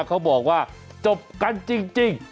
เขาบอกว่าจบกันจริง